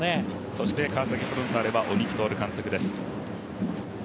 そして川崎フロンターレは鬼木達監督です。